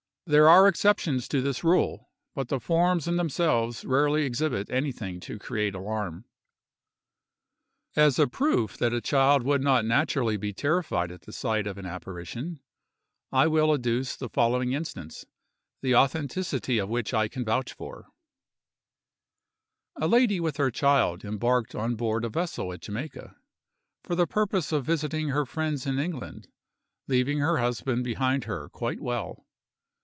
There are exceptions to this rule,—but the forms in themselves rarely exhibit anything to create alarm. As a proof that a child would not naturally be terrified at the sight of an apparition, I will adduce the following instance, the authenticity of which I can vouch for:— A lady with her child embarked on board a vessel at Jamaica, for the purpose of visiting her friends in England, leaving her husband behind her quite well.